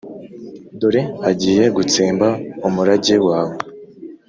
dore agiye gutsemba umurage wawe